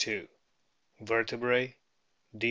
Vertebrae: D.